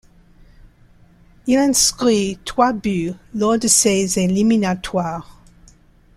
Il inscrit trois buts lors de ces éliminatoires.